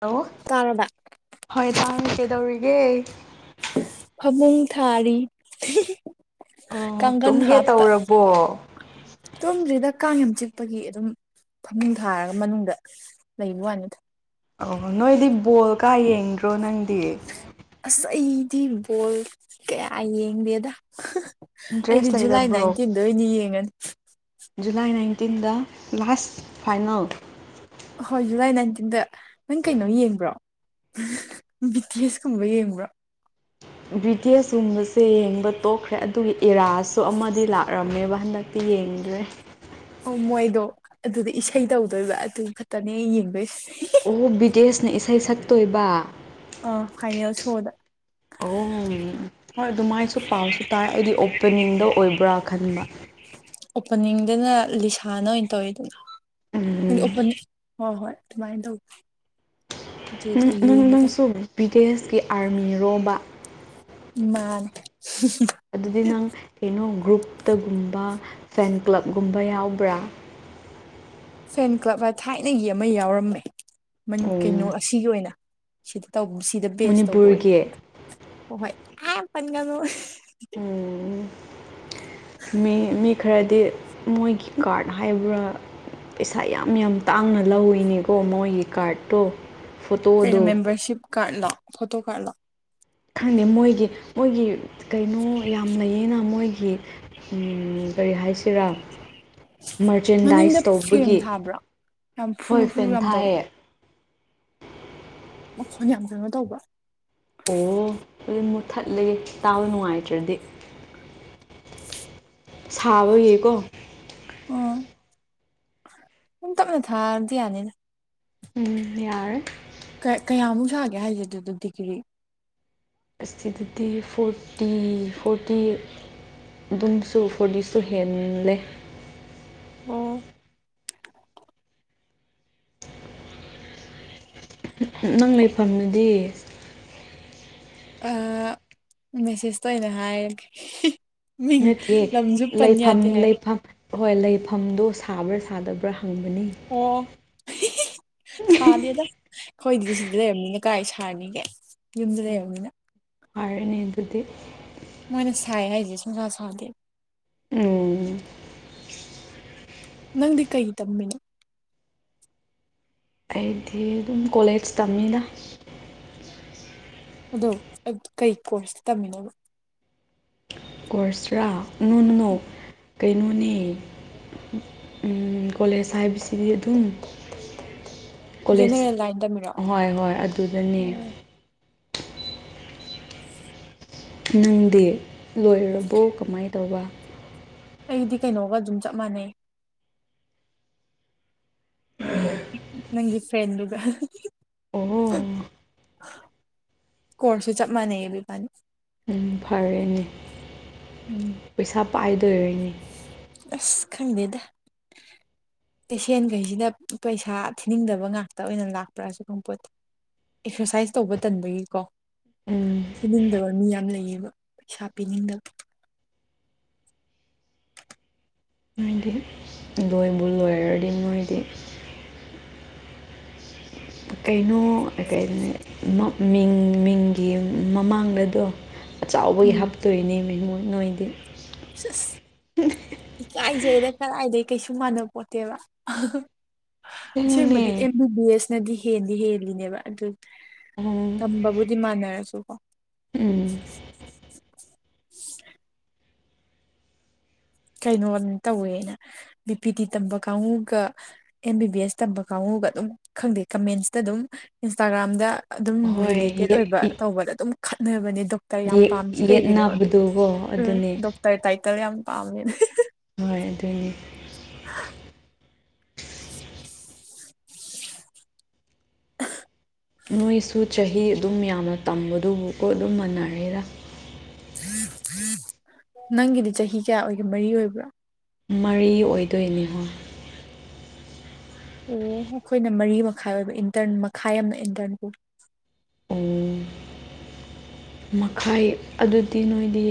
hello ꯇꯥꯔꯕ ꯍꯣꯏ ꯇꯥꯡ ꯀꯩꯗꯧꯔꯤꯒꯦ ꯐꯃꯨꯡ ꯊꯥꯔꯤ ꯑꯣ ꯀꯪꯒꯟ ꯇꯨꯝꯒꯦ ꯍꯥꯞꯄ ꯇꯧꯔꯕꯣ ꯇꯨꯝꯗ꯭ꯔꯤꯗ ꯀꯥꯡ ꯌꯥꯝ ꯆꯤꯛꯄꯒꯤ ꯑꯗꯨꯝ ꯐꯃꯨꯡ ꯊꯥꯔꯒ ꯃꯅꯨꯡꯗ [unintelligible] ꯑ ꯅꯣꯏꯗꯤ ꯕꯣꯜ ꯀꯥ ꯌꯦꯡꯗ꯭ꯔꯣ ꯅꯪꯗꯤ ꯑꯁ ꯑꯩꯗꯤ ꯕꯣꯜ ꯀꯌꯥ ꯌꯦꯡꯗꯦꯗ ꯑꯩꯗꯤ ꯏꯟꯇꯔꯦꯁ ꯖꯨꯂꯥꯏ ꯂꯩꯇꯕ꯭ꯔꯣ ꯅꯥꯏꯟꯇꯤꯟꯗ ꯑꯣꯏꯅ ꯌꯦꯡꯉꯅꯤ ꯖꯨꯂꯥꯏ ꯅꯥꯏꯟꯇꯤꯟꯗ ꯂꯥꯁ ꯐꯥꯏꯅꯜ ꯑꯍꯣꯏ ꯖꯨꯂꯥꯏ ꯅꯥꯏꯟꯇꯤꯟꯗ ꯅꯪ ꯀꯩꯅꯣ ꯌꯦꯡꯕ꯭ꯔꯣ ꯕꯤ ꯇꯤ ꯑꯦꯁ ꯀꯨꯝꯕ ꯌꯦꯡꯕ꯭ꯔꯥ ꯕ꯭ꯔꯤꯇꯤꯁꯀꯨꯝꯕꯁꯦ ꯌꯦꯡꯕ ꯇꯣꯛꯈ꯭ꯔꯦ ꯑꯗꯨꯒꯤ ꯏꯔꯥꯖꯁꯨ ꯑꯃꯗꯤ ꯂꯥꯛꯑꯝꯃꯦꯕ ꯍꯟꯗꯛ ꯇꯤ ꯌꯦꯡꯗ꯭ꯔꯦ ꯑꯣ ꯃꯣꯏꯗꯣ ꯑꯗꯨꯗ ꯏꯁꯩ ꯇꯧꯗꯣꯏꯕ ꯑꯗꯨ ꯈꯠꯇꯅꯦ ꯑꯩ ꯌꯦꯡꯗꯨꯏꯁꯦ ꯑꯣ ꯕꯤꯇꯦꯁꯅ ꯏꯁꯩ ꯁꯛꯇꯣꯏꯕ ꯑ ꯐꯥꯏꯅꯦꯜ ꯁꯣꯗ ꯑꯣꯝ ꯍꯣꯏ ꯑꯗꯨꯃꯥꯏꯁꯨ ꯄꯥꯎꯁꯨ ꯇꯥꯏ ꯑꯩꯗꯤ ꯑꯣꯄꯦꯅꯤꯡꯗ ꯑꯣꯏꯕ꯭ꯔꯥ ꯈꯟꯕ ꯑꯣꯄꯅꯤꯡꯗꯅ ꯂꯤꯁꯥꯅ ꯑꯣꯏꯅ ꯇꯧꯋꯦ ꯑꯗꯨꯅ ꯎꯝ ꯍꯥꯏꯗꯤꯑꯣꯄꯅꯤꯡ ꯍꯣꯏ ꯍꯣꯏ ꯑꯗꯨꯃꯥꯏꯅ ꯇꯧꯕ ꯅꯪ ꯅꯪꯁꯨ ꯕ꯭ꯔꯤꯇꯤꯁꯀꯤ ꯑꯥꯔꯃꯤꯔꯣꯝꯕ ꯃꯥꯟꯅꯦ ꯑꯗꯨꯗꯤ ꯅꯪ ꯀꯩꯅꯣ ꯒ꯭ꯔꯨꯞꯇꯒꯨꯝꯕ ꯐꯦꯟ ꯀ꯭ꯂꯕꯒꯨꯝꯕ ꯌꯥꯎꯕ꯭ꯔꯥ ꯐꯦꯟ ꯀ꯭ꯂꯕꯅ ꯊꯥꯏꯅꯒꯤ ꯑꯃ ꯌꯥꯎꯔꯝꯃꯦ ꯀꯩꯅꯣ ꯎꯝ ꯑꯁꯤꯒꯤ ꯑꯣꯏꯅ ꯁꯤꯗ ꯁꯤꯗ ꯕꯦꯁ ꯇꯧꯕ ꯑꯣꯏ ꯃꯅꯤꯄꯨꯔꯒꯤ ꯍ ꯍꯣꯏ ꯌꯥꯝ ꯄꯟꯒꯅꯨ ꯃꯤ ꯃꯤ ꯈꯔꯗꯤ ꯃꯣꯏꯒꯤ ꯀꯥꯔꯠ ꯍꯥꯏꯕ꯭ꯔꯥ ꯄꯩꯁꯥ ꯌꯥꯝ ꯌꯥꯝ ꯇꯥꯡꯅ ꯂꯧꯏꯅꯦꯀꯣ ꯃꯣꯏꯒꯤ ꯀꯥꯔꯠꯇꯣ ꯀꯩꯅꯣ ꯐꯣꯇꯣꯗꯣ ꯃꯦꯝꯕꯔꯁꯤꯞ ꯀꯥꯔꯠ ꯂꯣ ꯐꯣꯇꯣ ꯀꯥꯔꯠ ꯂꯣ ꯈꯪꯗꯦ ꯃꯣꯏꯒꯤ ꯃꯣꯏꯒꯤ ꯀꯩꯅꯣ ꯌꯥꯝ ꯂꯩꯌꯦꯅ ꯃꯣꯏꯒꯤ ꯎꯝ ꯀꯔꯤ ꯍꯥꯏꯁꯤꯔꯥ ꯃꯅꯤꯡꯗ ꯃꯔꯆꯦꯟꯗꯥꯏꯁ ꯐꯦꯟ ꯇꯧꯕꯒꯤ ꯊꯥꯕ꯭ꯔꯣ ꯌꯥꯝ ꯐꯨꯔꯨ ꯍꯣꯏ ꯐꯨꯔꯨ ꯄꯦꯟ ꯌꯥꯝ ꯇꯧꯋꯦ ꯊꯥꯏꯌꯦ ꯃꯈꯣꯟ ꯌꯥꯝ ꯀꯩꯅꯣ ꯇꯧꯕꯔꯣ ꯑꯣ ꯑꯗꯨꯗꯤ ꯃꯨ ꯊꯠꯂꯦ ꯇꯥꯕ ꯅꯨꯡꯉꯥꯏꯇ꯭ꯔꯗꯤ ꯁꯥꯕꯒꯤꯀꯣ ꯎꯝ ꯇꯞꯅ ꯊꯥꯔꯗꯤ ꯌꯥꯅꯤꯅ ꯎꯝ ꯌꯥꯔꯅꯤ ꯀꯌꯥ ꯀꯌꯥꯃꯨꯛ ꯁꯥꯒꯦ ꯍꯥꯏꯁꯦ ꯑꯗꯨꯗ ꯗꯤꯒ꯭ꯔꯤ ꯑꯁꯤꯗꯗꯤ ꯐꯣꯔꯇꯤ ꯐꯣꯔꯇꯤ ꯑꯗꯨꯝꯁꯨ ꯐꯣꯔꯇꯤꯁꯨ ꯍꯦꯜꯂꯦ ꯑꯣ ꯅꯪ ꯂꯩꯐꯝꯗꯨꯗꯤ ꯑ ꯃꯦꯁꯦꯁꯇ ꯑꯣꯏꯅ ꯍꯥꯏꯔꯒꯦ ꯃꯤꯡ ꯅꯠꯇꯦ ꯂꯝꯁꯨ ꯄꯟ ꯂꯩꯐꯝ ꯌꯥꯗꯦ ꯍꯥꯏ ꯂꯩꯐꯝ ꯍꯣꯏ ꯂꯩꯐꯝꯗꯣ ꯁꯥꯕ꯭ꯔꯥ ꯁꯥꯗꯕ꯭ꯔꯥ ꯍꯪꯕꯅꯤ ꯑꯣ ꯁꯥꯗꯦꯗ ꯑꯩꯈꯣꯏꯗꯤ ꯁꯤꯗ ꯂꯩꯔꯕꯅꯤꯅ ꯀꯥꯏ ꯁꯥꯔꯅꯤꯒꯦ ꯌꯨꯝꯗ ꯂꯩꯔꯕꯅꯤꯅ ꯐꯔꯦꯅꯦ ꯑꯗꯨꯗꯤ ꯃꯣꯏꯅ ꯁꯥꯏ ꯍꯥꯏꯁꯦ ꯁꯨꯡꯁꯥ ꯁꯥꯗꯦ ꯎꯝ ꯅꯪꯗꯤ ꯀꯩ ꯇꯝꯃꯤꯅꯣ ꯑꯩꯗꯤ ꯑꯗꯨꯝ ꯀꯣꯂꯦꯖ ꯇꯝꯃꯤꯗ ꯑꯗꯣ ꯀꯩ ꯀꯣꯔꯁꯇ ꯇꯝꯃꯤꯅꯣꯕ ꯀꯣꯔꯁꯔꯥ ꯅꯣ ꯅꯣ ꯀꯩꯅꯣꯅꯦ ꯀꯂꯦꯖ ꯍꯥꯢꯕꯁꯤꯗꯤ ꯑꯗꯨꯝ ꯀꯣꯂꯦꯖ ꯖꯦꯅꯦꯔꯦꯜ ꯂꯥꯏꯟ ꯇꯝꯃꯤꯔꯣ ꯍꯣꯏ ꯍꯣꯏ ꯑꯗꯨꯗꯅꯦ ꯑꯣ ꯅꯪꯗꯤ ꯂꯣꯏꯔꯕꯣ ꯀꯃꯥꯏꯅ ꯇꯧꯕ ꯑꯩꯗꯤ ꯀꯩꯅꯣꯒ ꯑꯗꯨꯝ ꯆꯞ ꯃꯥꯟꯅꯩ ꯅꯪꯒꯤ ꯐ꯭ꯔꯦꯗꯨꯒ ꯑꯣ ꯀꯣꯔꯁꯨ ꯆꯞ ꯃꯥꯅꯩꯌꯦꯕ ꯏꯕꯥꯅꯤ ꯎ ꯐꯔꯦꯅꯦ ꯎꯝ ꯄꯩꯁꯥ ꯄꯥꯏꯗꯣꯏꯔꯣꯏꯅꯤ ꯑꯁ ꯈꯪꯗꯦꯗ ꯄꯦꯁꯦꯟꯈꯩꯁꯤꯗ ꯄꯩꯁꯥ ꯊꯤꯅꯤꯡꯗꯕ ꯉꯥꯛꯇ ꯑꯣꯏꯅ ꯂꯥꯛꯄ꯭ꯔꯁꯨ ꯈꯪꯄꯣꯠꯇꯦ ꯑꯦꯛꯁꯔꯁꯥꯏꯁ ꯇꯧꯕ ꯇꯟꯕꯒꯤꯀꯣ ꯎꯝ ꯄꯤꯅꯤꯡꯗꯕ ꯃꯤ ꯌꯥꯝ ꯂꯩꯌꯦꯕ ꯄꯩꯁꯥ ꯄꯤꯅꯤꯡꯗꯕ ꯃꯣꯏꯗꯤ ꯂꯣꯏꯕꯨ ꯂꯣꯏꯔꯗꯤ ꯅꯣꯏꯗꯤ ꯀꯩꯅꯣ ꯃꯤꯡ ꯃꯤꯡꯒꯤ ꯃꯃꯥꯡꯗꯗꯣ ꯆꯥꯎꯕꯒꯤ ꯎꯝ ꯍꯥꯞꯇꯣꯏꯅꯦ ꯃꯦꯝꯉꯣ ꯅꯣꯏꯗꯤ [inaudible] ꯏꯀꯥꯏꯖꯩꯗ ꯀꯗꯥꯏꯗꯒꯤ ꯀꯩꯁꯨ ꯃꯥꯟꯅꯕ ꯄꯣꯠꯇꯦꯕ ꯁꯤꯡꯃꯗꯤ ꯑꯁꯦꯡꯕꯅꯦ ꯑꯦꯝ ꯕꯤ ꯕꯤ ꯑꯦꯁꯅꯗꯤ ꯍꯦꯟꯗꯤ ꯍꯦꯜꯂꯤꯅꯦꯕ ꯑꯗꯨ ꯎꯝ ꯇꯝꯕꯕꯨꯗꯤ ꯃꯥꯟꯅꯔꯁꯨꯀꯣ ꯎꯝ ꯀꯩꯅꯣ ꯇꯧꯋꯦꯅ ꯕꯤꯄꯤꯗꯤ ꯇꯝꯕ ꯀꯥꯡꯕꯨꯒ ꯑꯦꯝ ꯕꯤ ꯕꯤ ꯑꯦꯁ ꯇꯝꯕ ꯀꯥꯡꯕꯨꯒ ꯑꯗꯨꯝ ꯈꯪꯗꯦ ꯀꯃꯦꯟꯁꯇ ꯑꯗꯨꯝ ꯏꯟꯁꯇꯥꯒ꯭ꯔꯥꯝꯗ ꯑꯗꯨꯝ ꯍꯣꯏ ꯔꯤꯂꯦꯇꯦꯠ ꯑꯣꯏꯕ ꯇꯧꯕꯗ ꯑꯗꯨꯝ ꯈꯠꯅꯕꯅꯦ ꯗꯣ ꯀꯌꯥꯝ ꯄꯥꯝꯁꯤ ꯀꯩꯒꯤꯅꯣ ꯌꯦꯠꯅꯕꯗꯨꯀꯣ ꯎꯝ ꯑꯗꯨꯅꯦ ꯗꯣꯛꯇꯔ ꯇꯥꯏꯇꯜ ꯌꯥꯝ ꯄꯥꯝꯃꯦ ꯍꯣꯏ ꯑꯗꯨꯏꯅꯤ ꯅꯣꯏꯁꯨ ꯆꯍꯤ ꯑꯗꯨꯝ ꯌꯥꯝꯅ ꯇꯝꯕꯗꯨꯕꯨꯀꯣ ꯑꯗꯨꯝ ꯃꯅꯔꯦꯔ ꯅꯪꯒꯤꯗꯤ ꯆꯍꯤ ꯀꯌꯥ ꯑꯣꯏꯒꯦ ꯃꯔꯤ ꯑꯣꯏꯕ꯭ꯔꯥ ꯃꯔꯤ ꯑꯣꯏꯗꯣꯏꯅꯤꯍꯣ ꯑꯣ ꯑꯩꯈꯣꯏꯅ ꯃꯔꯤ ꯃꯈꯥꯏ ꯑꯣꯏꯕ ꯏꯟꯇꯔꯟ ꯃꯈꯥꯏ ꯌꯥꯝꯅ ꯏꯟꯇꯔꯟ ꯀ ꯑꯣ ꯃꯈꯥꯏ ꯑꯗꯨꯗꯤ ꯅꯣꯏꯗꯤ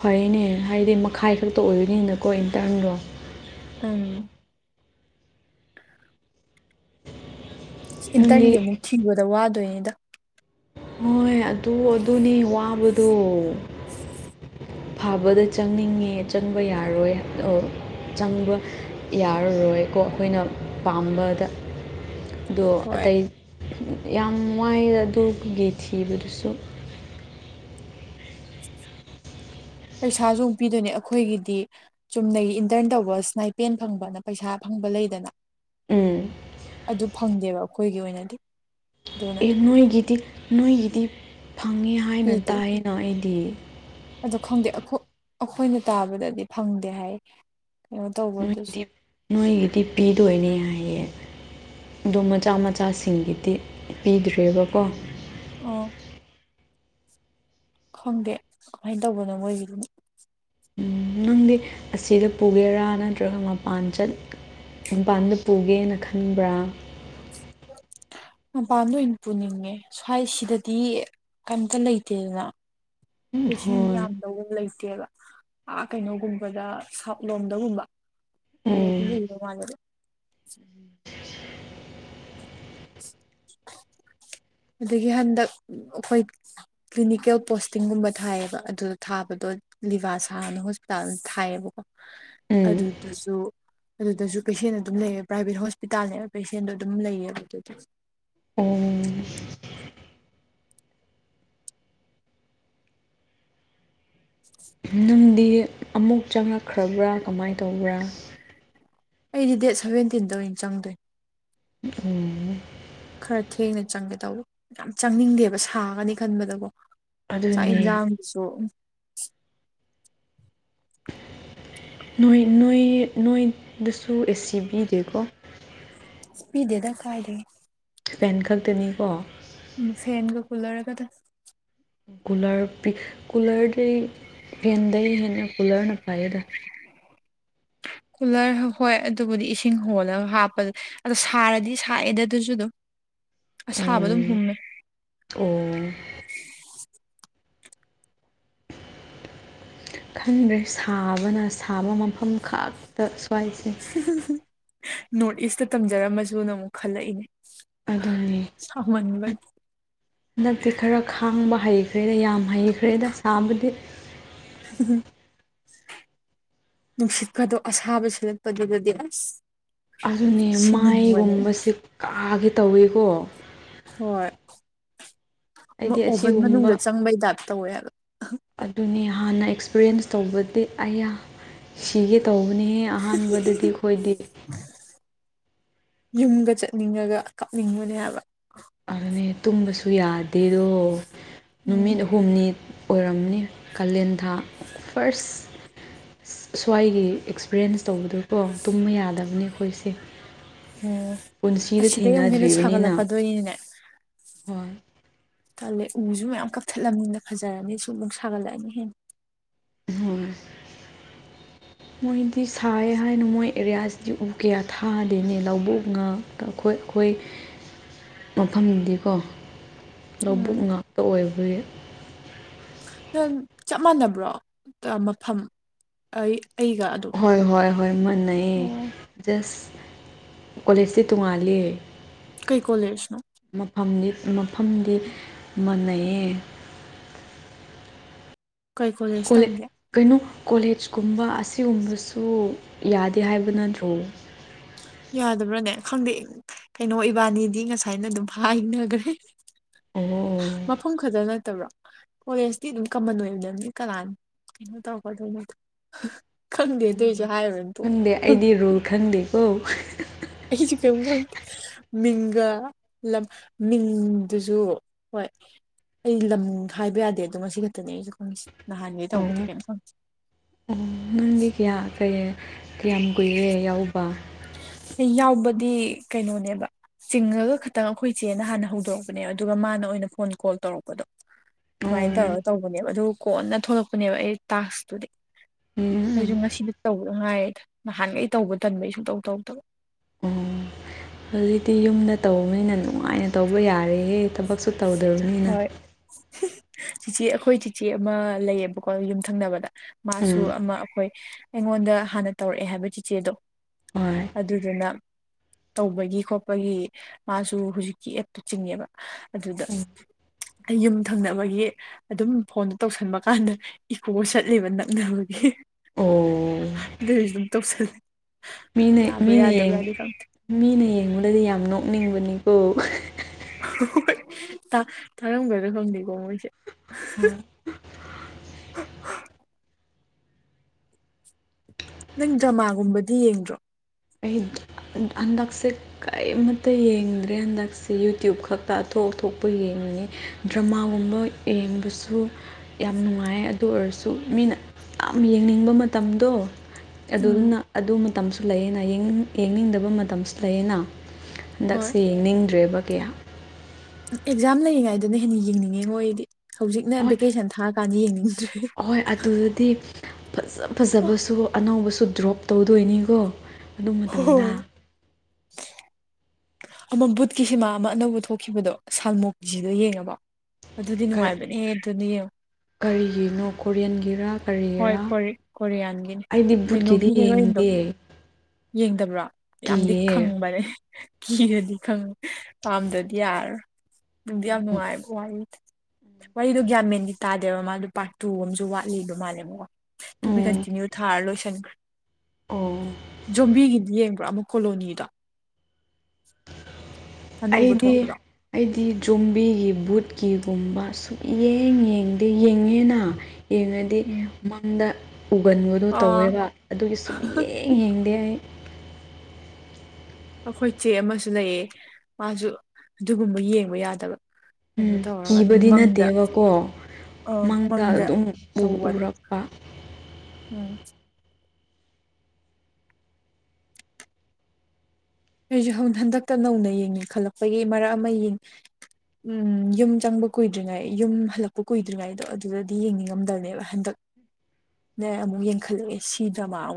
ꯐꯩꯅꯦ ꯍꯥꯏꯗꯤ ꯃꯈꯥꯏ ꯈꯛꯇ ꯑꯣꯏꯗꯣꯏꯅꯤꯅꯀꯣ ꯏꯟꯇꯔꯟꯗꯣ ꯎꯝ ꯏꯟꯇꯔꯟꯒꯤ ꯅꯪꯗꯤ ꯑꯃꯨꯛ ꯊꯤꯕꯗ ꯋꯥꯗꯣꯏꯅꯤꯗ ꯍꯣꯏ ꯑꯗꯨ ꯑꯗꯨꯅꯤ ꯋꯥꯕꯗꯣ ꯐꯥꯕꯗ ꯆꯪꯅꯤꯡꯉꯦ ꯆꯪꯕ ꯌꯥꯔꯣꯏ ꯑꯣ ꯆꯪꯕ ꯌꯥꯔꯔꯣꯏꯀꯣ ꯑꯩꯈꯣꯏꯅ ꯄꯥꯝꯕꯗ ꯑꯗꯣ ꯍꯣꯏ ꯑꯇꯩ ꯌꯥꯝ ꯋꯥꯏ ꯑꯗꯨꯒꯤ ꯊꯤꯕꯗꯨꯁꯨ ꯄꯩꯁꯥꯁꯨ ꯑꯃꯨꯛ ꯄꯤꯗꯣꯏꯅꯦ ꯑꯩꯈꯣꯏꯒꯤꯗꯤ ꯆꯨꯝꯅꯒꯤ ꯏꯟꯇꯔꯟ ꯇꯧꯕ ꯁꯅꯥꯏꯄꯦꯟ ꯐꯪꯕꯅ ꯄꯩꯁꯥ ꯐꯪꯕ ꯂꯩꯗꯅ ꯎꯝ ꯑꯗꯨ ꯐꯪꯗꯦꯕ ꯑꯩꯈꯣꯏꯒꯤ ꯑꯣꯏꯅꯗꯤ ꯑꯗꯨꯅ ꯑꯦ ꯅꯣꯏꯒꯤꯗꯤ ꯅꯣꯏꯒꯤꯗꯤ ꯐꯪꯉꯦ ꯍꯥꯏꯅ ꯄꯤꯗꯦ ꯇꯥꯏꯌꯦꯅ ꯑꯩꯗꯤ ꯑꯗꯣ ꯈꯪꯗꯦ ꯑꯩꯈꯣꯏꯅ ꯇꯥꯕꯗꯗꯤ ꯐꯪꯗꯦ ꯍꯥꯏꯌꯦ ꯅꯣꯏꯒꯤꯗꯤ ꯅꯣꯏꯒꯤꯗꯤ ꯄꯤꯗꯣꯏꯅꯦ ꯍꯥꯏꯌꯦ ꯑꯗꯣ ꯃꯆꯥ ꯃꯆꯥꯁꯤꯡꯒꯤꯗꯤ ꯄꯤꯗ꯭ꯔꯦꯕꯀꯣ ꯑꯣ ꯈꯪꯗꯦ ꯀꯃꯥꯏꯅ ꯇꯧꯕꯅꯣ ꯃꯣꯏꯒꯤꯗꯨ ꯅꯪꯗꯤ ꯑꯁꯤꯗ ꯄꯨꯒꯦꯔꯥ ꯅꯠꯇ꯭ꯔꯒ ꯃꯄꯥꯟ ꯆꯠ ꯃꯄꯥꯟꯗ ꯄꯨꯒꯦꯅ ꯈꯟꯕ꯭ꯔꯥ [unintelligible] ꯃꯄꯥꯟꯗ ꯑꯣꯏꯅ ꯄꯨꯅꯤꯡꯉꯦ ꯁ꯭ꯋꯥꯏ ꯁꯤꯗꯗꯤ ꯀꯝꯇ ꯂꯩꯇꯦꯗꯅ ꯄꯦꯁꯦꯟ ꯍꯣꯏ ꯌꯥꯝ ꯂꯩꯇꯦꯕ ꯑꯥ ꯀꯩꯅꯣꯒꯨꯝꯕꯗ ꯁꯥꯎꯠ ꯂꯣꯝꯗꯒꯨꯝꯕ ꯎꯝ [unintelligible] [unintelligible] ꯑꯗꯒꯤ ꯍꯟꯗꯛ ꯑꯩꯈꯣꯏ ꯀ꯭ꯂꯤꯅꯤꯀꯦꯜ ꯄꯣꯁꯇꯤꯡꯒꯨꯝꯕ ꯊꯥꯏꯌꯦꯕ ꯑꯗꯨꯗ ꯊꯥꯕꯗꯣ ꯂꯤꯚꯁꯥꯅ ꯍꯣꯁꯄꯤꯇꯥꯜ ꯊꯥꯏꯌꯦꯕꯀꯣ ꯎꯝ ꯑꯗꯨꯗꯨꯁꯨ ꯑꯗꯨꯗꯁꯨ ꯀꯩꯁꯦꯟ ꯑꯗꯨꯝ ꯂꯩꯌꯦ ꯄ꯭ꯔꯥꯏꯚꯦꯠ ꯍꯣꯁꯄꯤꯇꯥꯜꯅꯦꯕ ꯄꯦꯁꯦꯟꯗꯣ ꯑꯗꯨꯝ ꯂꯩꯌꯦꯕ ꯑꯗꯨꯗ ꯑꯣ [inaudible] ꯅꯪꯗꯤ ꯑꯃꯨꯛ ꯆꯪꯉꯛꯈ꯭ꯔꯕ꯭ꯔꯥ ꯀꯃꯥꯏꯅ ꯇꯧꯕ꯭ꯔꯥ ꯑꯩꯗꯤ ꯗꯦꯠ ꯁꯕꯦꯟꯇꯤꯟꯗ ꯑꯣꯏꯅ ꯆꯪꯗꯣꯏ ꯎꯝ ꯈꯔ ꯊꯦꯡꯅ ꯆꯪꯒꯦ ꯇꯧꯕ ꯌꯥꯝ ꯆꯪꯅꯤꯡꯗꯦꯕ ꯁꯥꯒꯅꯤ ꯈꯟꯕꯗꯀꯣ ꯆꯥꯛ ꯑꯗꯨꯅꯦ ꯏꯟꯖꯥꯡꯁꯨ ꯅꯣꯏ ꯅꯣꯏ ꯅꯣꯏꯗꯁꯨ ꯑꯦ ꯁꯤ ꯄꯤꯗꯦꯀꯣ ꯄꯤꯗꯦꯗ ꯀꯥꯏꯗꯦ ꯁꯨꯄꯦꯟ ꯈꯛꯇꯅꯤꯀꯣ ꯎꯝ ꯐꯦꯟꯒꯣ ꯀꯨꯂꯔ ꯀꯥꯗꯪ ꯀꯨꯂꯔ ꯀꯨꯂꯔꯗꯔ ꯐꯦꯟꯗꯩ ꯍꯦꯟꯅ ꯀꯨꯂꯔꯅ ꯐꯥꯏꯗ ꯀꯨꯂꯔ ꯍꯣꯏ ꯑꯗꯨꯕꯨꯗꯤ ꯏꯁꯤꯡ ꯍꯣꯜꯂꯒ ꯍꯥꯞꯄꯗ ꯑꯗꯣ ꯁꯥꯔꯗꯤ ꯁꯥꯛꯑꯦꯗ ꯑꯗꯨꯁꯨ ꯑꯗꯨꯝ ꯑꯁꯥꯕ ꯑꯗꯨꯝ ꯑꯣ ꯍꯨꯝꯃꯦ ꯑꯣ ꯈꯟꯗ꯭ꯔꯦ ꯁꯥꯕꯅ ꯁꯥꯕ ꯃꯐꯝ ꯈꯛ ꯁ꯭ꯋꯥꯏ ꯅꯣꯔꯠ ꯏꯁꯇ ꯇꯝꯖꯔꯝꯃꯁꯨꯅ ꯑꯃꯨꯛ ꯈꯜꯂꯛꯏꯅꯦ ꯑꯗꯨꯅꯦ ꯁꯥꯃꯟꯕꯒꯤ ꯍꯟꯗꯛꯇꯤ ꯈꯔ ꯈꯥꯡꯕ ꯍꯩꯈ꯭ꯔꯦꯗ ꯌꯥꯝ ꯍꯩꯈ꯭ꯔꯦꯗ ꯁꯥꯕꯨꯗꯤ [unintelligible] ꯅꯨꯡꯁꯤꯠꯀꯗꯣ ꯑꯁꯥꯕꯁꯨ ꯅꯛꯄꯗꯨꯗꯗꯤ ꯑꯁ ꯑꯗꯨꯅꯦ ꯁꯤꯅꯤꯡꯕꯅꯦ ꯃꯥꯏꯒꯨꯝꯕꯁꯦ ꯀꯥꯒꯦ ꯇꯧꯋꯦꯀꯣ ꯍꯣꯏ ꯑꯩꯗꯤ ꯑꯣꯚꯟ ꯑꯁꯤꯒꯨꯝꯕ ꯃꯅꯨꯡꯗ ꯆꯪꯕꯩ ꯇꯞ ꯇꯧꯋꯦ ꯍꯥꯢꯕ ꯑꯗꯨꯅꯤ ꯍꯥꯟꯅ ꯑꯦꯛꯁꯄꯤꯔꯤꯌꯦꯟꯁ ꯇꯧꯕꯗꯤ ꯑꯩꯅ ꯁꯤꯒ ꯇꯧꯕꯅꯤꯍꯦ ꯑꯍꯥꯟꯕꯗꯗꯤ ꯑꯩꯈꯣꯏꯗꯤ ꯌꯨꯝꯒ ꯆꯠꯅꯤꯡꯉꯥꯒ ꯀꯥꯞꯅꯤꯡꯕꯅꯦ ꯍꯥꯏꯕ ꯑꯗꯨꯅꯦ ꯇꯨꯝꯕꯁꯨ ꯌꯥꯗꯦꯗꯣ ꯅꯨꯃꯤꯠ ꯑꯍꯨꯝ ꯍꯨꯝꯅꯤ ꯑꯣꯏꯔꯝꯅꯤ ꯀꯥꯂꯦꯟꯊꯥ ꯐꯥꯔꯁ ꯁ꯭ꯋꯥꯏꯒꯤ ꯑꯦꯛꯁꯄꯔꯤꯌꯦꯟꯁ ꯇꯧꯕꯗꯨꯀꯣ ꯇꯨꯝꯕ ꯌꯥꯗꯕꯅꯤ ꯑꯩꯈꯣꯏꯁꯦ ꯑꯣ ꯄꯨꯟꯁꯤꯗ ꯑꯁꯤꯗꯒꯤ ꯑꯃꯨꯛ ꯍꯦꯟꯅ ꯊꯦꯡꯅꯗ꯭ꯔꯤꯕꯅꯤꯅ ꯁꯥꯒꯠꯂꯛꯀꯗꯣꯏꯔꯤꯅꯤꯅꯦ ꯍꯣꯏ ꯇꯜꯂꯦ ꯎꯁꯨꯨ ꯃꯌꯥꯝ ꯀꯞꯊꯠꯂꯅꯤꯅ ꯐꯖꯔꯅꯤ ꯁꯨꯝ ꯁꯥꯒꯠꯂꯛꯑꯅꯤ ꯍꯦꯟꯅ ꯍꯣꯏ ꯃꯣꯏꯗꯤ ꯁꯥꯏ ꯍꯥꯏꯅ ꯃꯣꯏ ꯑꯦꯔꯤꯌꯥꯁꯤꯗꯤ ꯎ ꯀꯌꯥ ꯊꯥꯗꯦꯅꯦ ꯂꯧꯕꯨꯛ ꯉꯥꯛꯇ ꯑꯩꯈꯣꯏ ꯑꯩꯈꯣꯏ ꯃꯐꯝꯗꯤꯀꯣ ꯎꯝ ꯂꯧꯕꯨꯛ ꯉꯥꯛꯇ ꯑꯣꯏꯕꯒꯤ ꯅ ꯆꯞ ꯃꯥꯟꯅꯕ꯭ꯔꯣ ꯃꯐꯝ ꯑꯩ ꯑꯩꯒ ꯑꯗꯨꯝ ꯍꯣꯏ ꯍꯣꯏ ꯍꯣꯏ ꯃꯅꯩꯌꯦ ꯑꯣ ꯖꯁ ꯀꯣꯂꯦꯖꯁꯦ ꯇꯣꯡꯉꯥꯂ ꯀꯩ ꯀꯣꯂꯦꯖꯅꯣ ꯃꯐꯝꯗꯤ ꯃꯐꯝꯗꯤ ꯃꯥꯟꯅꯩꯌꯦ ꯀꯩ ꯀꯣꯂꯦꯖ ꯀꯣꯂꯦ ꯇꯝꯒꯦ ꯀꯩꯅꯣ ꯀꯣꯂꯦꯖ ꯀꯨꯝꯕ ꯑꯁꯤꯒꯨꯝꯕꯁꯨ ꯌꯥꯗꯦ ꯍꯥꯏꯕ ꯅꯠꯇ꯭ꯔꯣ ꯌꯥꯗꯕ꯭ꯔꯅꯦ ꯈꯪꯗꯦ ꯀꯩꯅꯣ ꯏꯕꯥꯅꯤꯗꯤ ꯉꯁꯥꯏꯅ ꯑꯗꯨꯝ ꯍꯥꯏꯅꯈ꯭ꯔꯦ [unintelligible] ꯃꯐꯝ ꯈꯛꯇ ꯅꯠꯇꯕ꯭ꯔꯣ ꯀꯣꯂꯦꯖꯇꯤ ꯑꯗꯨꯝ ꯀꯃꯟ ꯑꯣꯏꯕ ꯅꯗꯤ ꯀꯅꯥꯅꯤ ꯀꯩꯅꯣ ꯇꯧꯀꯗꯣꯏ ꯈꯪꯗꯦ ꯑꯗꯨꯏꯁꯨ ꯍꯥꯏꯔꯨꯏ ꯈꯪꯗꯦ ꯑꯩꯗꯤ ꯔꯨꯜ ꯈꯪꯗꯦꯀꯣ ꯃꯤꯡꯒ ꯂꯝ ꯃꯤꯡꯗꯨꯁꯨ ꯍꯣꯏ ꯑꯩ ꯂꯝ ꯍꯥꯏꯕ ꯌꯥꯗꯦ ꯑꯗꯣ ꯉꯁꯤ ꯈꯛꯇꯅꯦ ꯑꯩꯁꯨ ꯈꯪꯉꯁꯦ ꯅꯍꯥꯟꯒꯩ ꯑꯣ ꯇꯧꯕꯗꯤ ꯀꯩꯅꯣꯝ ꯈꯪꯗꯦ ꯑꯣ ꯅꯪꯗꯤ ꯀꯌꯥ ꯀꯩ ꯀꯌꯥꯝ ꯀꯨꯏꯔꯦ ꯌꯥꯎꯕ ꯌꯥꯎꯕꯗꯤ ꯀꯩꯅꯣꯅꯦꯕ ꯆꯤꯡꯉꯒ ꯈꯇꯪ ꯑꯩꯈꯣꯏ ꯆꯦꯅ ꯍꯥꯟꯅ ꯍꯧꯗꯣꯔꯛꯄꯅꯦ ꯑꯗꯨꯒ ꯃꯥꯅ ꯑꯣꯏꯅ ꯐꯣꯟ ꯀꯣꯜ ꯇꯧꯔꯛꯄꯗꯣ ꯑꯗꯨꯃꯥꯏꯅ ꯑꯣ ꯇꯧꯔꯒ ꯇꯧꯕꯅꯦꯕ ꯑꯗꯨ ꯀꯣꯟꯅ ꯊꯣꯛꯂꯛꯄꯅꯦꯕ ꯑꯩ ꯇꯥꯛꯁꯇꯨꯗꯤ ꯑꯩꯁꯨ ꯎꯝ ꯉꯁꯤꯗ ꯇꯧꯕꯗ ꯉꯥꯏꯌꯦꯗ ꯅꯍꯥꯟꯒꯩ ꯇꯧꯕ ꯇꯟꯕꯩ ꯁꯨꯡꯇꯧ ꯇꯧ ꯇꯧ ꯑꯣ ꯍꯧꯖꯤꯛꯇꯤ ꯌꯨꯝꯗ ꯇꯧꯕꯅꯤꯅ ꯅꯨꯡꯉꯥꯏꯅ ꯇꯧꯕ ꯌꯥꯔꯦꯍꯦ ꯊꯕꯛꯁꯨ ꯇꯧꯗꯕꯅꯤꯅ ꯍꯣꯏ ꯆꯤꯆꯦ ꯑꯩꯈꯣꯏ ꯆꯤꯆꯦ ꯑꯃ ꯂꯩꯌꯦꯕꯀꯣ ꯌꯨꯝꯊꯪꯅꯕꯗ ꯃꯥꯁꯨ ꯎꯝ ꯑꯃ ꯑꯈꯣꯏ ꯑꯩꯉꯣꯟꯗ ꯍꯥꯟꯅ ꯇꯧꯔꯛꯑꯦ ꯍꯥꯏꯕ ꯆꯤꯆꯦꯗꯣ ꯍꯣꯏ ꯑꯗꯨꯗꯨꯅ ꯇꯧꯕꯒꯤ ꯈꯣꯠꯄꯒꯤ ꯃꯥꯁꯨ ꯍꯧꯖꯤꯛꯀꯤ ꯑꯦꯞꯇꯨ ꯆꯤꯡꯉꯦꯕ ꯑꯗꯨꯗ ꯎꯝ ꯑꯩ ꯌꯨꯝ ꯊꯪꯅꯕꯒꯤ ꯑꯗꯨꯝ ꯐꯣꯟꯗꯨ ꯇꯧꯁꯟꯕ ꯀꯥꯟꯗ ꯏꯀꯣ ꯆꯠꯂꯦꯕ ꯅꯛꯅꯕꯒꯤ ꯑꯣ ꯑꯗꯨꯏꯁꯨ ꯑꯗꯨꯝ ꯇꯧꯁꯤꯜꯂꯦ ꯃꯤꯅ ꯃꯤꯅ ꯌꯦꯡ ꯌꯥꯕ꯭ꯔꯥ-ꯌꯥꯗꯕ꯭ꯔꯥꯗꯤ ꯈꯪꯗꯦ ꯃꯤꯅ ꯌꯦꯡꯕꯗꯗꯤ ꯌꯥꯝ ꯅꯣꯛꯅꯤꯡꯕꯅꯤꯀꯣ ꯍꯣꯏ ꯇꯥ-ꯇꯥꯔꯝꯒꯗ꯭ꯔꯥ ꯈꯪꯗꯦꯀꯣ ꯃꯣꯏꯁꯦ ꯍꯣꯏ ꯅꯪ ꯗ꯭ꯔꯃꯥꯒꯨꯝꯕꯗꯤ ꯌꯦꯡꯗ꯭ꯔꯣ ꯑꯩ [unintelligible] ꯍꯟꯗꯛꯁꯤ ꯀꯔꯤꯃꯇ ꯌꯦꯡꯗ꯭ꯔꯦ ꯍꯟꯗꯛꯁꯦ ꯌꯨꯇ꯭ꯌꯨꯕ ꯈꯛꯇ ꯑꯊꯣꯛ-ꯑꯊꯣꯛꯄ ꯌꯦꯡꯉꯤ ꯗ꯭ꯔꯃꯥꯒꯨꯝꯕ ꯌꯦꯡꯕꯁꯨ ꯌꯥꯝ ꯅꯨꯡꯉꯥꯏꯌꯦ ꯑꯗꯨ ꯑꯣꯏꯔꯁꯨ ꯃꯤꯅ ꯌꯥꯝ ꯌꯦꯡꯅꯤꯡꯕ ꯃꯇꯝꯗꯣ ꯎꯝ ꯑꯗꯨꯗꯨꯅ ꯑꯗꯨ ꯃꯇꯝꯁꯨ ꯂꯩꯌꯦꯅ ꯌꯦꯡꯅꯤꯡꯗꯕ ꯃꯇꯝꯁꯨ ꯂꯩꯌꯦꯅ ꯍꯣꯏ ꯍꯟꯗꯛꯁꯦ ꯌꯦꯡꯅꯤꯡꯗ꯭ꯔꯦꯕ ꯀꯌꯥ ꯑꯦꯛꯖꯥꯝ ꯂꯩꯔꯤꯉꯥꯏꯗꯅ ꯍꯦꯟꯅ ꯌꯦꯡꯅꯤꯡꯉꯦ ꯉꯣ ꯑꯩꯗꯤ ꯍꯧꯖꯤꯛꯅ ꯍꯣꯏ ꯚꯦꯀꯦꯁꯟ ꯊꯥꯔ ꯀꯥꯟꯗꯤ ꯌꯦꯡꯅꯤꯡꯗ꯭ꯔꯦ ꯍꯣꯏ ꯑꯗꯨꯗꯗꯤ ꯐꯖꯥ-ꯐꯖꯕꯁꯨ ꯑꯅꯧꯕꯁꯨ ꯗ꯭ꯔꯣꯞ ꯇꯧꯗꯣꯏꯅꯤꯀꯣ ꯑꯗꯨ ꯃꯇꯝꯗ ꯍꯣꯏ ꯑꯃꯝ ꯕꯨꯠꯀꯤ ꯁꯤꯟꯃꯥ ꯑꯃ ꯑꯅꯧꯕ ꯊꯣꯛꯈꯤꯕꯗꯣ ꯁꯜꯃꯣꯛꯀꯤꯁꯤꯗꯣ ꯌꯦꯡꯉꯕꯣ ꯑꯗꯨꯗꯤ ꯅꯨꯡꯉꯥꯏꯕꯅꯦ ꯑꯗꯨꯗꯤ ꯌꯦꯡꯉꯣ ꯀꯔꯤꯒꯤꯅꯣ ꯀꯣꯔꯤꯌꯟꯒꯤꯔꯥ ꯍꯣꯏ ꯀꯔꯤꯒꯤꯔꯥ ꯀꯣꯔꯤ ꯀꯣꯔꯤꯌꯥꯟꯒꯤꯅꯤ ꯑꯩꯗꯤ ꯕꯨꯠꯀꯤꯗꯤ ꯌꯦꯡꯗꯦ ꯌꯦꯡꯗꯕ꯭ꯔ‌ꯣ ꯌꯥꯝꯗꯤ ꯀꯤꯌꯦ ꯈꯪꯕꯅꯦ ꯀꯤꯔꯗꯤ ꯈꯪ ꯄꯥꯝꯗ꯭ꯔꯥꯗꯤ ꯌꯥꯔꯥꯔꯣꯏ ꯅꯨꯡꯗꯤ ꯌꯥꯝ ꯅꯨꯡꯉꯥꯏ ꯋꯥꯔꯤ ꯋꯥꯔꯤꯗꯨ ꯒ꯭ꯌꯥꯟ ꯃꯦꯟꯗꯤ ꯇꯥꯗꯦꯕ ꯃꯥꯗꯣ ꯄꯥꯔꯠ ꯇꯨ ꯑꯝꯖꯨ ꯋꯥꯠꯂꯤꯕ ꯃꯥꯟꯂꯦꯕ ꯇꯨꯕꯤ ꯎꯝ ꯀꯟꯇꯤꯅ꯭ꯌꯨ ꯊꯥꯔꯥ ꯂꯣꯏꯁꯟꯈ꯭ꯔꯦ ꯑꯣ ꯖꯣꯝꯕꯤꯒꯤꯗꯤ ꯌꯦꯡꯕ꯭ꯔ‌ꯣ ꯑꯃꯨꯛ ꯀꯣꯂꯣꯅꯤꯗꯣ ꯑꯅꯧꯕ ꯑꯩꯗꯤ ꯊꯣꯛꯄꯗꯣ ꯑꯩꯗꯤ ꯖꯣꯝꯕꯤꯒꯤ ꯕꯨꯠꯀꯤꯒꯨꯝꯕ ꯁꯨꯛꯌꯦꯡ ꯌꯦꯡꯗꯦ ꯌꯦꯡꯉꯦ ꯅ ꯌꯦꯡꯉꯗꯤ ꯎꯝ ꯃꯪꯗ ꯎꯒꯟꯕꯗꯣ ꯑꯥ ꯇꯧꯋꯦꯕ ꯑꯗꯨꯒꯤ ꯁꯨꯛꯌꯦ ꯌꯦꯡꯗꯦ ꯑꯩ ꯑꯩꯈꯣꯏ ꯆꯦ ꯑꯃꯁꯨ ꯂꯩꯌꯦ ꯃꯥꯖꯨ ꯑꯗꯨꯒꯨꯝꯕ ꯌꯦꯡꯕ ꯌꯥꯗꯕ ꯀꯩꯅꯣ ꯎꯝ ꯇꯧꯔꯥꯒ ꯑꯗꯨꯝ ꯀꯤꯕꯗꯤ ꯃꯪꯗ ꯅꯠꯇꯦꯕꯀꯣ ꯑꯣ ꯃꯪꯗ ꯑꯗꯨꯝ ꯎ ꯇꯧꯕꯗꯣ ꯎꯔꯛꯄ ꯎꯝ ꯑꯩꯖꯨ ꯍꯟ ꯍꯟꯗꯛꯇ ꯅꯧꯅ ꯌꯦꯡꯅꯤꯡ ꯈꯜꯂꯛꯄꯒꯤ ꯃꯔꯛ ꯑꯃꯥ ꯌꯦꯡ ꯎꯝ ꯌꯨꯝ ꯆꯪꯕ ꯀꯨꯏꯗ꯭ꯔꯤꯉꯩ ꯌꯨꯝ ꯍꯜꯂꯛꯄ ꯀꯨꯏꯗ꯭ꯔꯤꯉꯩꯗꯣ ꯑꯗꯨꯗꯗꯤ ꯌꯦꯡꯅꯤꯡꯉꯝꯗꯕꯅꯦꯕ ꯍꯟꯗꯛ [inaudible] ꯗꯩ ꯑꯃꯨꯛ ꯌꯦꯡꯈꯠꯂꯛꯑꯦ ꯁꯤ ꯗ꯭ꯔꯃꯥ ꯑꯃꯨꯛ